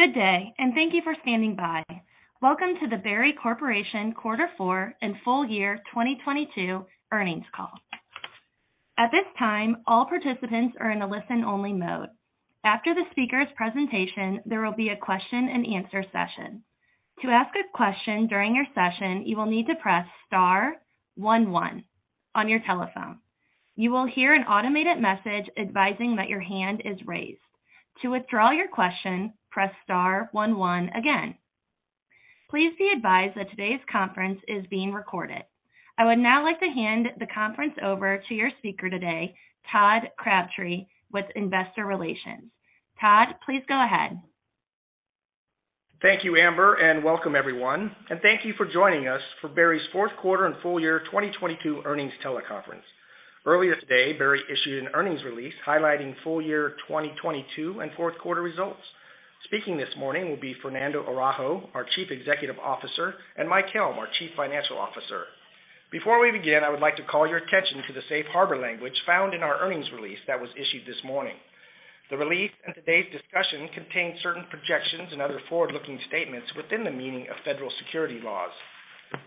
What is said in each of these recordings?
Good day. Thank you for standing by. Welcome to the Berry Corporation Quarter Four and Full Year 2022 Earnings Call. At this time, all participants are in a listen-only mode. After the speaker's presentation, there will be a question-and-answer session. To ask a question during your session, you will need to press star one one on your telephone. You will hear an automated message advising that your hand is raised. To withdraw your question, press star one one again. Please be advised that today's conference is being recorded. I would now like to hand the conference over to your speaker today, Todd Crabtree, with investor relations. Todd, please go ahead. Thank you, Amber. Welcome everyone. Thank you for joining us for Berry's fourth quarter and full year 2022 earnings teleconference. Earlier today, Berry issued an earnings release highlighting full year 2022 and fourth quarter results. Speaking this morning will be Fernando Araujo, our Chief Executive Officer, and Mike Helm, our Chief Financial Officer. Before we begin, I would like to call your attention to the safe harbor language found in our earnings release that was issued this morning. The release and today's discussion contain certain projections and other forward-looking statements within the meaning of Federal Securities Laws.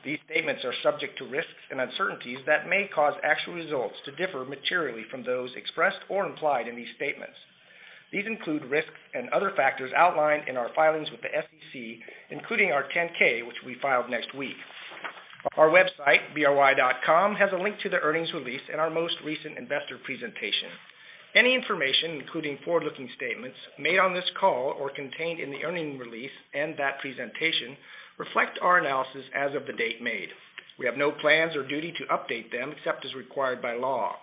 These statements are subject to risks and uncertainties that may cause actual results to differ materially from those expressed or implied in these statements. These include risks and other factors outlined in our filings with the SEC, including our 10-K, which we file next week. Our website, bry.com, has a link to the earnings release and our most recent investor presentation. Any information, including forward-looking statements, made on this call or contained in the earnings release and that presentation reflect our analysis as of the date made. We have no plans or duty to update them except as required by law.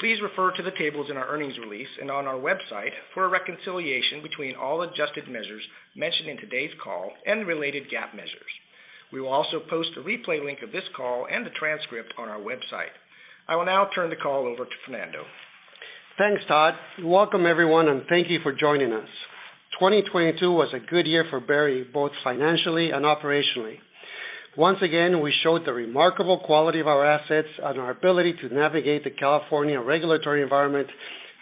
Please refer to the tables in our earnings release and on our website for a reconciliation between all adjusted measures mentioned in today's call and the related GAAP measures. We will also post a replay link of this call and the transcript on our website. I will now turn the call over to Fernando. Thanks, Todd. Welcome, everyone, thank you for joining us. 2022 was a good year for Berry, both financially and operationally. Once again, we showed the remarkable quality of our assets and our ability to navigate the California regulatory environment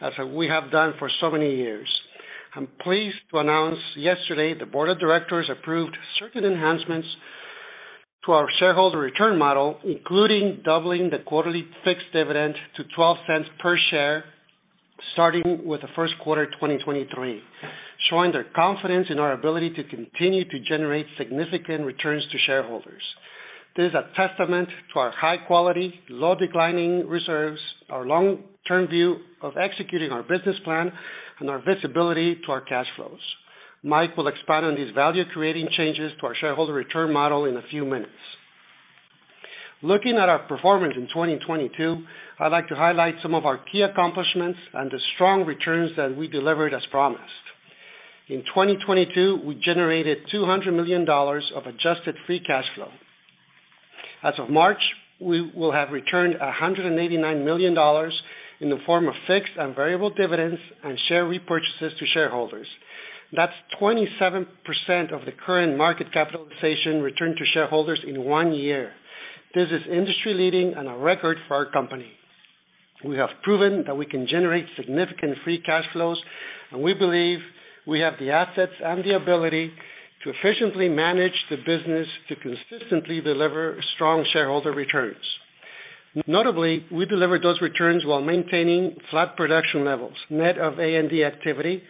as we have done for so many years. I'm pleased to announce yesterday the board of directors approved certain enhancements to our Shareholder Return Model, including doubling the quarterly fixed dividend to $0.12 per share, starting with the first quarter 2023, showing their confidence in our ability to continue to generate significant returns to shareholders. This is a testament to our high quality, low declining reserves, our long-term view of executing our business plan, and our visibility to our cash flows. Mike will expand on these value-creating changes to our Shareholder Return Model in a few minutes. Looking at our performance in 2022, I'd like to highlight some of our key accomplishments and the strong returns that we delivered as promised. In 2022, we generated $200 million of Adjusted Free Cash Flow. As of March, we will have returned $189 million in the form of fixed and variable dividends and share repurchases to shareholders. That's 27% of the current market capitalization returned to shareholders in one year. This is industry-leading and a record for our company. We have proven that we can generate significant free cash flows, and we believe we have the assets and the ability to efficiently manage the business to consistently deliver strong shareholder returns. Notably, we delivered those returns while maintaining flat production levels, net of A&D activity,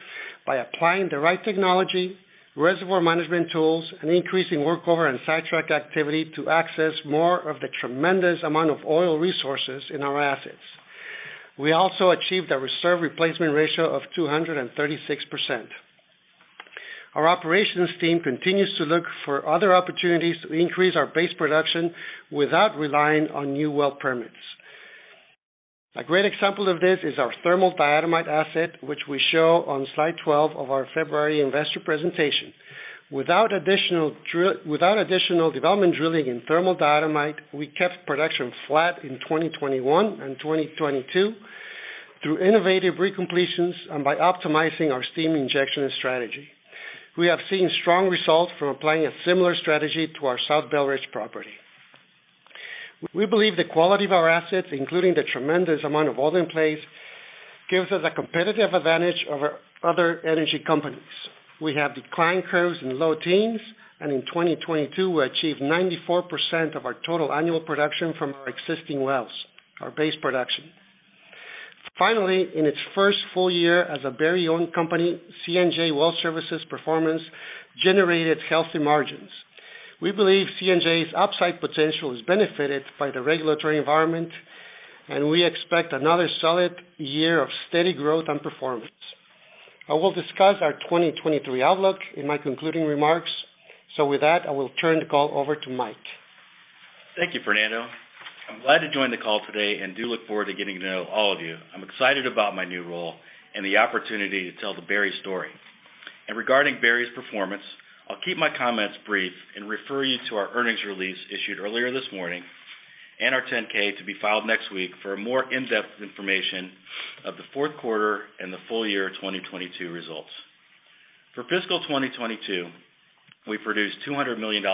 by applying the right technology, reservoir management tools, and increasing workover and sidetrack activity to access more of the tremendous amount of oil resources in our assets. We also achieved a reserve replacement ratio of 236%. Our operations team continues to look for other opportunities to increase our base production without relying on new well permits. A great example of this is our thermal diatomite asset, which we show on slide 12 of our February investor presentation. Without additional development drilling in thermal diatomite, we kept production flat in 2021 and 2022 through innovative recompletions and by optimizing our steam injection strategy. We have seen strong results from applying a similar strategy to our South Belridge property. We believe the quality of our assets, including the tremendous amount of oil in place, gives us a competitive advantage over other energy companies. We have decline curves in low teens, and in 2022, we achieved 94% of our total annual production from our existing wells, our base production. Finally, in its first full year as a very young company, C&J Well Services performance generated healthy margins. We believe C&J's upside potential is benefited by the regulatory environment, and we expect another solid year of steady growth and performance. I will discuss our 2023 outlook in my concluding remarks. With that, I will turn the call over to Mike. Thank you, Fernando. I'm glad to join the call today and do look forward to getting to know all of you. I'm excited about my new role and the opportunity to tell the Berry story. Regarding Berry's performance, I'll keep my comments brief and refer you to our earnings release issued earlier this morning and our 10-K to be filed next week for a more in-depth information of the fourth quarter and the full year 2022 results. For fiscal 2022 We produced $200 million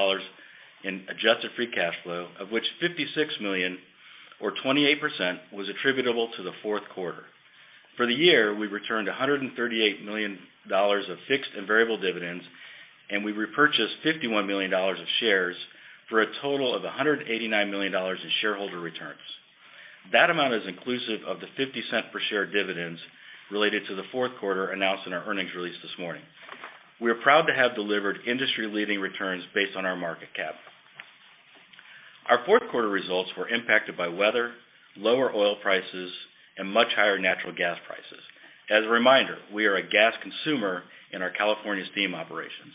in Adjusted Free Cash Flow, of which $56 million or 28% was attributable to the fourth quarter. For the year, we returned $138 million of fixed and variable dividends, and we repurchased $51 million of shares for a total of $189 million in shareholder returns. That amount is inclusive of the $0.50 per share dividends related to the fourth quarter announced in our earnings release this morning. We are proud to have delivered industry-leading returns based on our market cap. Our fourth-quarter results were impacted by weather, lower oil prices, and much higher natural gas prices. As a reminder, we are a gas consumer in our California steam operations.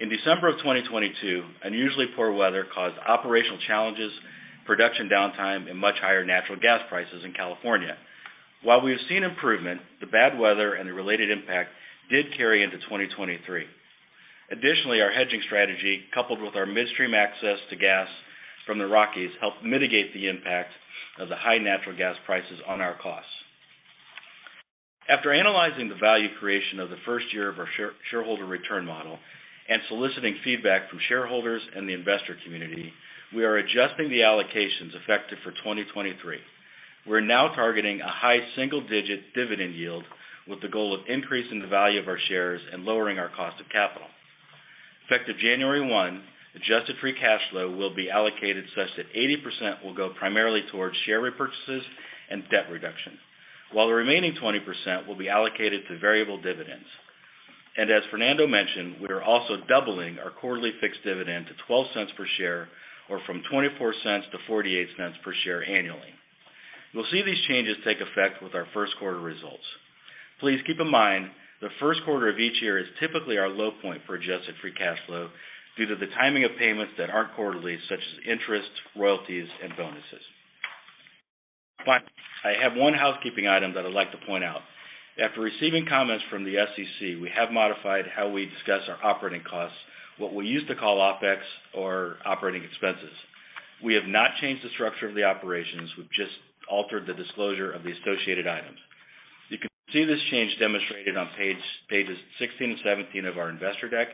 In December of 2022, unusually poor weather caused operational challenges, production downtime, and much higher natural gas prices in California. While we have seen improvement, the bad weather and the related impact did carry into 2023. Additionally, our hedging strategy, coupled with our midstream access to gas from the Rockies, helped mitigate the impact of the high natural gas prices on our costs. After analyzing the value creation of the first year of our Shareholder Return Model and soliciting feedback from shareholders and the investor community, we are adjusting the allocations effective for 2023. We're now targeting a high single-digit dividend yield with the goal of increasing the value of our shares and lowering our cost of capital. Effective January 1, Adjusted Free Cash Flow will be allocated such that 80% will go primarily towards share repurchases and debt reduction, while the remaining 20% will be allocated to variable dividends. As Fernando mentioned, we are also doubling our quarterly fixed dividend to $0.12 per share or from $0.24 to $0.48 per share annually. You'll see these changes take effect with our first quarter results. Please keep in mind the first quarter of each year is typically our low point for Adjusted Free Cash Flow due to the timing of payments that aren't quarterly, such as interest, royalties, and bonuses. Finally, I have one housekeeping item that I'd like to point out. After receiving comments from the SEC, we have modified how we discuss our operating costs, what we used to call OpEx or operating expenses. We have not changed the structure of the operations. We've just altered the disclosure of the associated items. You can see this change demonstrated on pages 16 and 17 of our investor deck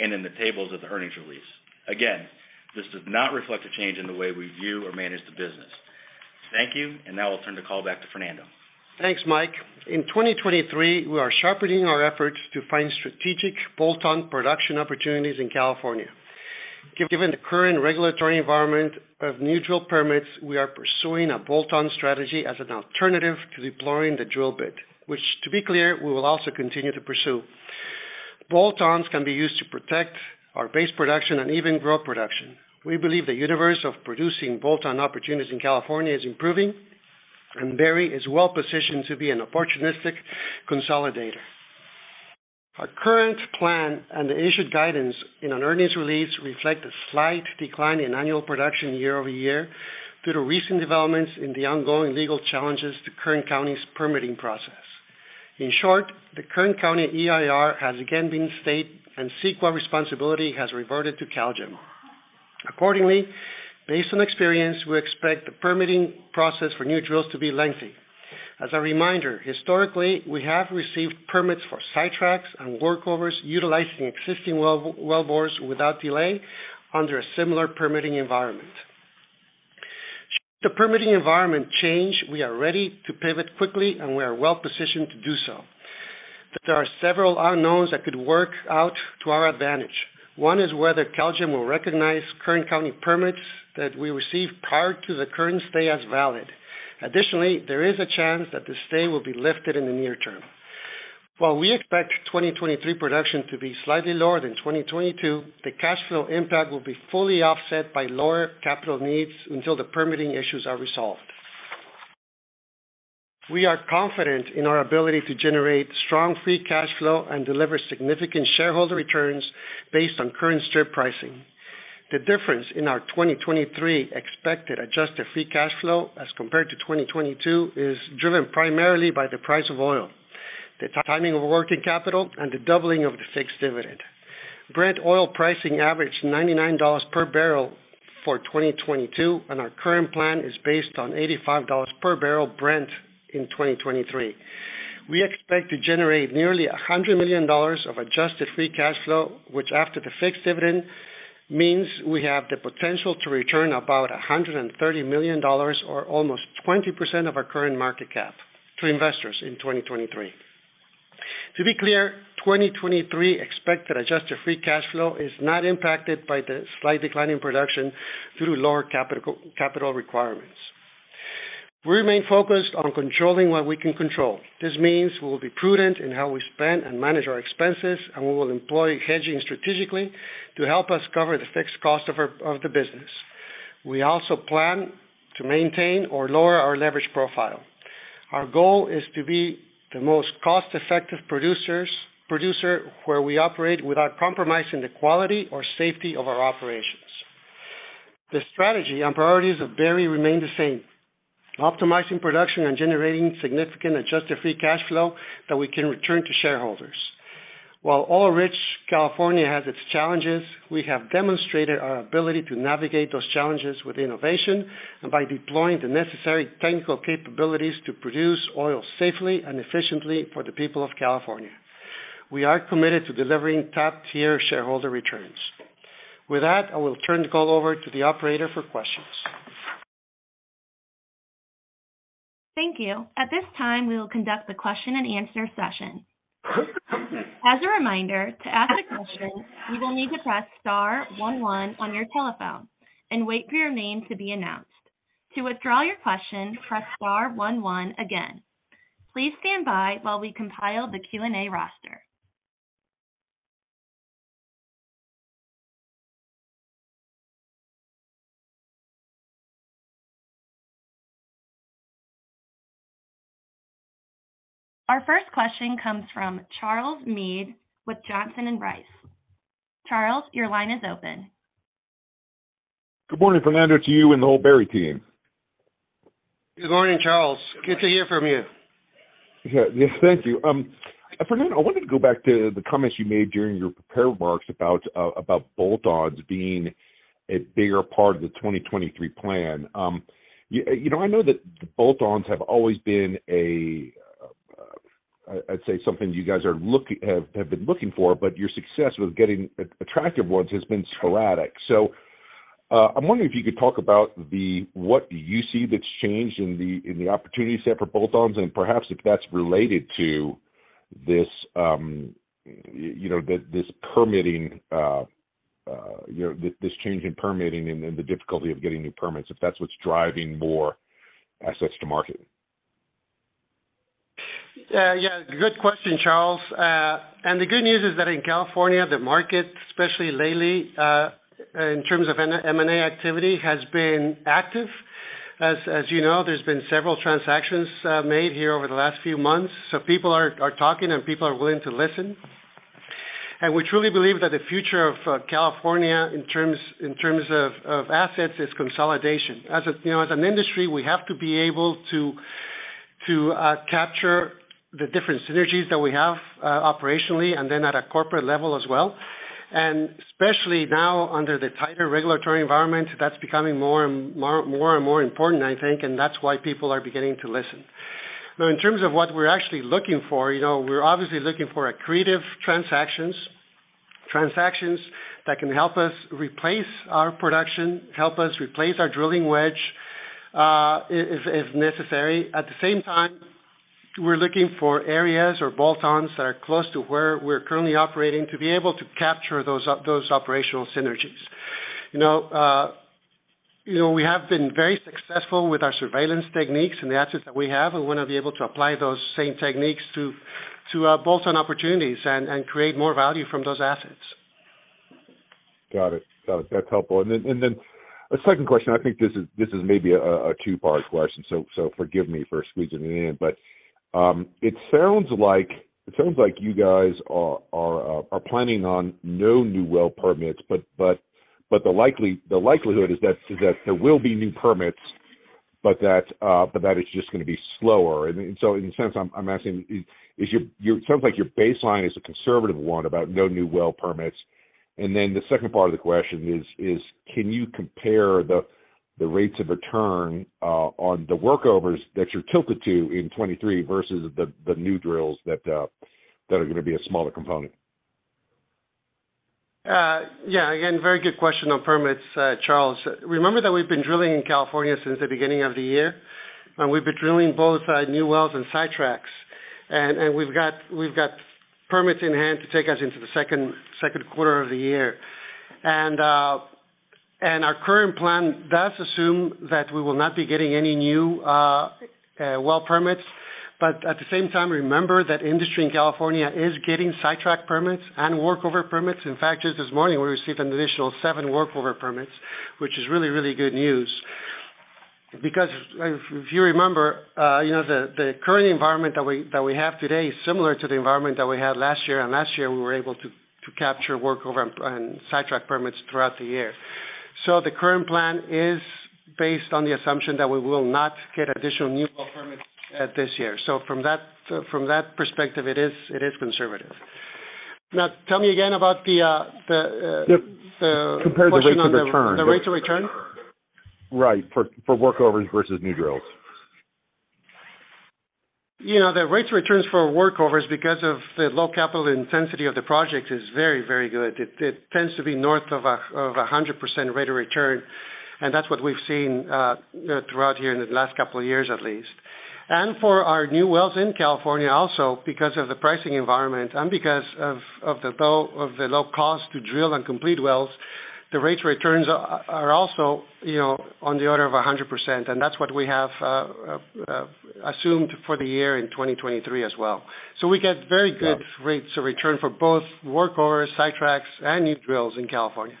and in the tables of the earnings release. Again, this does not reflect a change in the way we view or manage the business. Thank you. Now I'll turn the call back to Fernando. Thanks, Mike. In 2023, we are sharpening our efforts to find strategic bolt-on production opportunities in California. given the current regulatory environment of neutral permits, we are pursuing a bolt-on strategy as an alternative to deploying the drill bit, which, to be clear, we will also continue to pursue. Bolt-ons can be used to protect our base production and even grow production. We believe the universe of producing bolt-on opportunities in California is improving, and Berry is well-positioned to be an opportunistic consolidator. Our current plan and the issued guidance in an earnings release reflect a slight decline in annual production year-over-year due to recent developments in the ongoing legal challenges to Kern County's permitting process. In short, the Kern County EIR has again been state, and CEQA responsibility has reverted to CalGEM. Accordingly, based on experience, we expect the permitting process for new drills to be lengthy. As a reminder, historically, we have received permits for sidetracks and workovers utilizing existing well, wellbores without delay under a similar permitting environment. Should the permitting environment change, we are ready to pivot quickly, and we are well-positioned to do so. There are several unknowns that could work out to our advantage. One is whether CalGEM will recognize Kern County permits that we received prior to the current stay as valid. Additionally, there is a chance that the stay will be lifted in the near term. While we expect 2023 production to be slightly lower than 2022, the cash flow impact will be fully offset by lower capital needs until the permitting issues are resolved. We are confident in our ability to generate strong free cash flow and deliver significant shareholder returns based on current strip pricing. The difference in our 2023 expected Adjusted Free Cash Flow as compared to 2022 is driven primarily by the price of oil, the timing of working capital, and the doubling of the fixed dividend. Brent oil pricing averaged $99 per barrel for 2022. Our current plan is based on $85 per barrel Brent in 2023. We expect to generate nearly $100 million of Adjusted Free Cash Flow, which, after the fixed dividend, means we have the potential to return about $130 million or almost 20% of our current market cap to investors in 2023. To be clear, 2023 expected Adjusted Free Cash Flow is not impacted by the slight decline in production through lower capital requirements. We remain focused on controlling what we can control. This means we will be prudent in how we spend and manage our expenses, and we will employ hedging strategically to help us cover the fixed cost of the business. We also plan to maintain or lower our leverage profile. Our goal is to be the most cost-effective producer where we operate without compromising the quality or safety of our operations. The strategy and priorities of Berry remain the same: optimizing production and generating significant Adjusted Free Cash Flow that we can return to shareholders. While oil-rich California has its challenges, we have demonstrated our ability to navigate those challenges with innovation and by deploying the necessary technical capabilities to produce oil safely and efficiently for the people of California. We are committed to delivering top-tier shareholder returns. With that, I will turn the call over to the Operator for questions. Thank you. At this time, we will conduct the question and answer session. As a reminder, to ask a question, you will need to press star 1 1 on your telephone and wait for your name to be announced. To withdraw your question, press star one one again. Please stand by while we compile the Q&A roster. Our first question comes from Charles Meade with Johnson Rice. Charles, your line is open. Good morning, Fernando, to you and the whole Berry team. Good morning, Charles. Good to hear from you. Yeah. Yes, thank you. Fernando, I wanted to go back to the comments you made during your prepared remarks about bolt-ons being a bigger part of the 2023 plan. You know, I know that the bolt-ons have always been something you guys have been looking for, but your success with getting attractive ones has been sporadic. I'm wondering if you could talk about what you see that's changed in the opportunity set for bolt-ons, and perhaps if that's related to this, you know, this permitting, you know, this change in permitting and the difficulty of getting new permits, if that's what's driving more assets to market. Yeah, good question, Charles. The good news is that in California, the market, especially lately, in terms of M&A activity, has been active. As you know, there's been several transactions made here over the last few months. People are talking, and people are willing to listen. We truly believe that the future of California in terms of assets is consolidation. As you know, as an industry, we have to be able to capture the different synergies that we have operationally and then at a corporate level as well. Especially now under the tighter regulatory environment, that's becoming more and more important, I think, and that's why people are beginning to listen. In terms of what we're actually looking for, you know, we're obviously looking for accretive transactions. Transactions that can help us replace our production, help us replace our drilling wedge, if necessary. At the same time, we're looking for areas or bolt-ons that are close to where we're currently operating to be able to capture those operational synergies. You know, you know, we have been very successful with our surveillance techniques and the assets that we have, and we wanna be able to apply those same techniques to bolt-on opportunities and create more value from those assets. Got it. Got it. That's helpful. A second question. I think this is, this is maybe a two-part question, so forgive me for squeezing it in. It sounds like, it sounds like you guys are planning on no new well permits, but the likelihood is that, is that there will be new permits, but that, but that is just gonna be slower. In a sense, I'm asking, it sounds like your baseline is a conservative one about no new well permits? The second part of the question is, can you compare the rates of return on the workovers that you're tilted to in 23 versus the new drills that are gonna be a smaller component? Yeah. Again, very good question on permits, Charles. Remember that we've been drilling in California since the beginning of the year, and we've been drilling both new wells and sidetracks. We've got permits in hand to take us into the second quarter of the year. Our current plan does assume that we will not be getting any new well permits. At the same time, remember that industry in California is getting sidetrack permits and workover permits. In fact, just this morning, we received an additional seven workover permits, which is really good news. If you remember, you know, the current environment that we have today is similar to the environment that we had last year, and last year we were able to capture workover and sidetrack permits throughout the year. The current plan is based on the assumption that we will not get additional new well permits, this year. From that perspective, it is conservative. Now, tell me again about the. Yep. Compare the rates of return. The rates of return? Right. For workovers versus new drills. You know, the rates of returns for workovers, because of the low capital intensity of the project, is very, very good. It tends to be north of 100% rate of return, and that's what we've seen throughout here in the last couple of years at least. For our new wells in California also, because of the pricing environment and because of the low cost to drill and complete wells, the rates of returns are also, you know, on the order of 100%. That's what we have assumed for the year in 2023 as well. We get very good rates of return for both workovers, sidetracks, and new drills in California.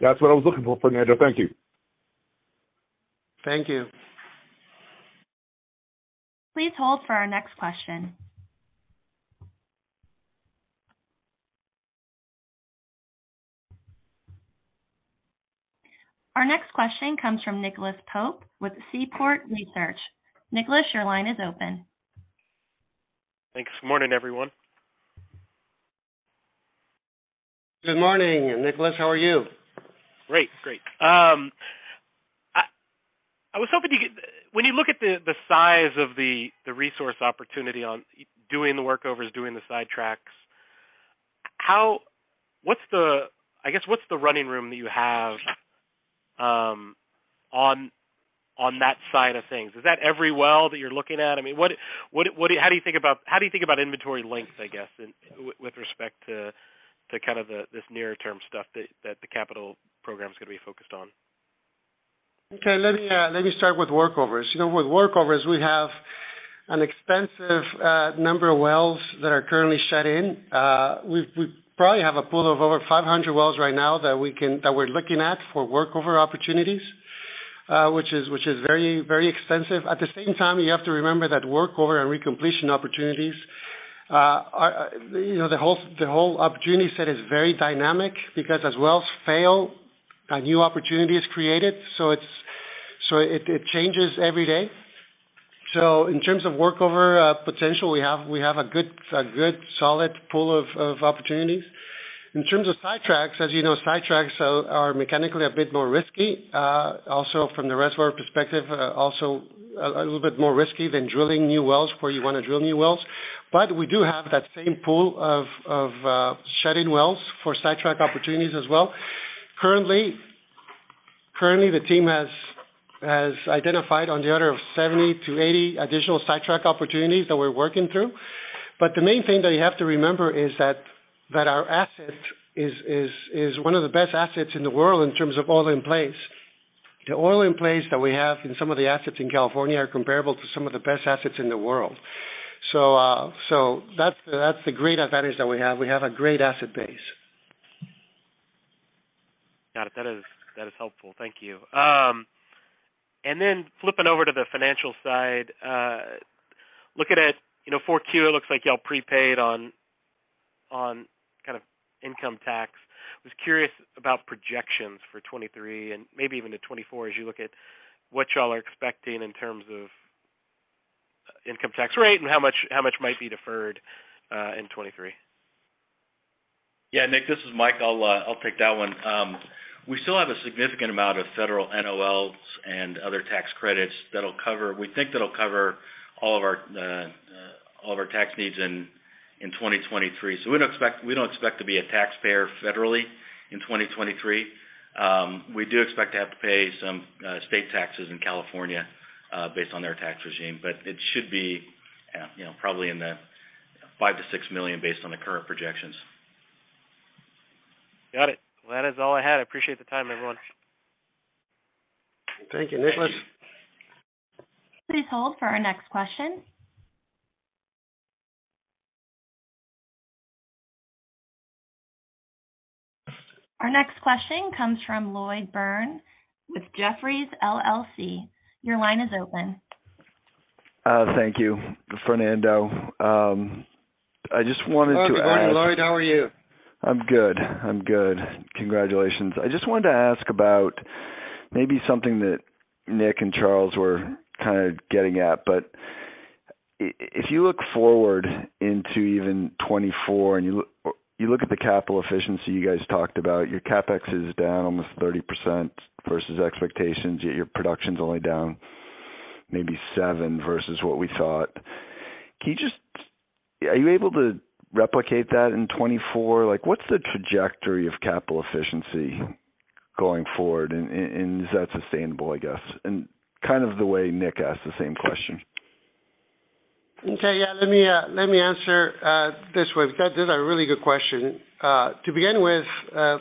That's what I was looking for, Fernando. Thank you. Thank you. Please hold for our next question. Our next question comes from Nicholas Pope with Seaport Research. Nicholas, your line is open. Thanks. Morning, everyone. Good morning, Nicholas. How are you? Great. Great. I was hoping when you look at the size of the resource opportunity on doing the workovers, doing the sidetracks. What's the, I guess, what's the running room that you have on that side of things? Is that every well that you're looking at? I mean, what how do you think about inventory length, I guess, with respect to kind of this near-term stuff that the capital program is gonna be focused on? Let me, let me start with workovers. You know, with workovers, we have an extensive number of wells that are currently shut in. We, we probably have a pool of over 500 wells right now that we're looking at for workover opportunities, which is, which is very, very extensive. At the same time, you have to remember that workover and recompletion opportunities are, you know, the whole, the whole opportunity set is very dynamic because as wells fail, a new opportunity is created. It, it changes every day. In terms of workover potential, we have, we have a good, a good solid pool of opportunities. In terms of sidetracks, as you know, sidetracks are mechanically a bit more risky. Also from the reservoir perspective, also a little bit more risky than drilling new wells where you wanna drill new wells. We do have that same pool of shutting wells for sidetrack opportunities as well. Currently, the team has identified on the order of 70 to 80 additional sidetrack opportunities that we're working through. The main thing that you have to remember is that our asset is one of the best assets in the world in terms of oil in place. The oil in place that we have in some of the assets in California are comparable to some of the best assets in the world. That's the great advantage that we have. We have a great asset base. Got it. That is helpful. Thank you. Then flipping over to the financial side, looking at, you know, four Q, it looks like y'all prepaid on kind of income tax. I was curious about projections for 2023 and maybe even to 2024 as you look at what y'all are expecting in terms of income tax rate and how much might be deferred in 2023. Yeah. Nick, this is Mike. I'll take that one. We still have a significant amount of federal NOLs and other tax credits we think that'll cover all of our tax needs in 2023. We don't expect to be a taxpayer federally in 2023. We do expect to have to pay some state taxes in California based on their tax regime, but it should be, you know, probably in the $5 million-$6 million based on the current projections. Got it. Well, that is all I had. I appreciate the time, everyone. Thank you, Nicholas. Please hold for our next question. Our next question comes from Lloyd Byrne with Jefferies LLC. Your line is open. Thank you, Fernando. Good morning, Lloyd. How are you? I'm good. I'm good. Congratulations. I just wanted to ask about maybe something that Nick and Charles were kinda getting at. If you look forward into even 2024 and you look at the capital efficiency you guys talked about, your CapEx is down almost 30% versus expectations, yet your production's only down maybe seven versus what we thought. Are you able to replicate that in 2024? Like, what's the trajectory of capital efficiency going forward? Is that sustainable, I guess? Kind of the way Nick asked the same question. Okay. Yeah. Let me, let me answer this way. That is a really good question. To begin with,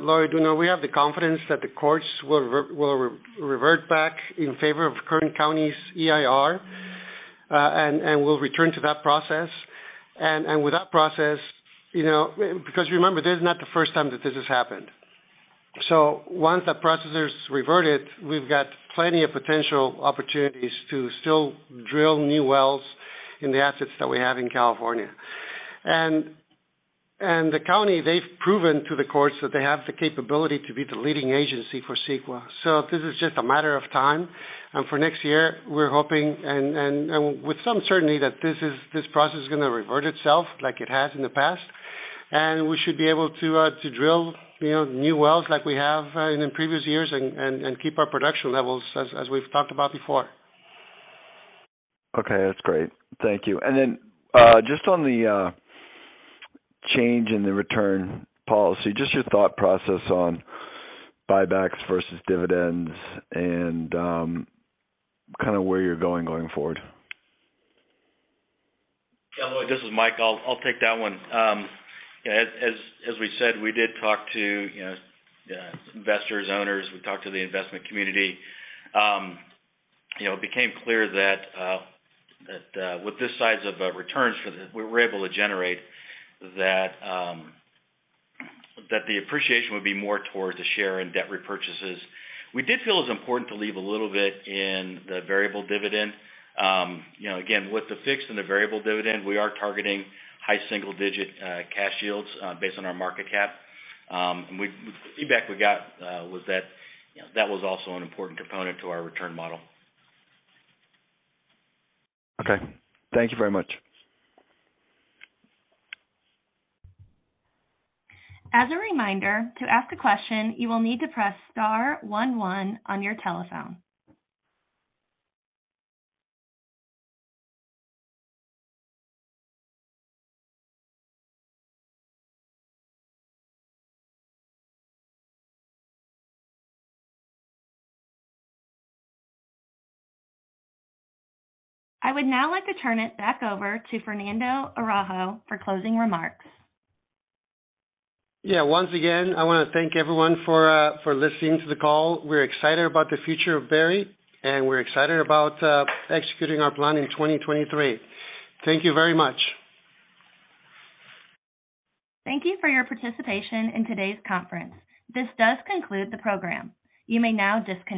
Lloyd, you know, we have the confidence that the courts will revert back in favor of Kern County's EIR, and will return to that process. With that process, you know, because remember, this is not the first time that this has happened. Once the process is reverted, we've got plenty of potential opportunities to still drill new wells in the assets that we have in California. The county, they've proven to the courts that they have the capability to be the leading agency for CEQA. This is just a matter of time. For next year, we're hoping and with some certainty that this process is gonna revert itself like it has in the past. We should be able to drill, you know, new wells like we have in the previous years and keep our production levels as we've talked about before. Okay. That's great. Thank you. Just on the, change in the return policy, just your thought process on buybacks versus dividends and, kinda where you're going forward? Lloyd, this is Mike. I'll take that one. As we said, we did talk to, you know, investors, owners, we talked to the investment community. You know, it became clear that with this size of returns we were able to generate that the appreciation would be more towards the share and debt repurchases. We did feel it's important to leave a little bit in the variable dividend. You know, again, with the fixed and the variable dividend, we are targeting high single-digit cash yields based on our market cap. The feedback we got was that, you know, that was also an important component to our return model. Okay. Thank you very much. As a reminder, to ask a question, you will need to press star one one on your telephone. I would now like to turn it back over to Fernando Araujo for closing remarks. Yeah. Once again, I wanna thank everyone for listening to the call. We're excited about the future of Berry, and we're excited about executing our plan in 2023. Thank you very much. Thank you for your participation in today's conference. This does conclude the program. You may now disconnect.